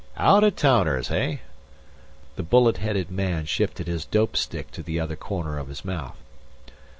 "Out of towners, hey?" The bullet headed man shifted his dope stick to the other corner of his mouth.